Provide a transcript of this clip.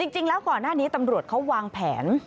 จริงแล้วก่อนหน้านี้ตำรวจเขาวางแผน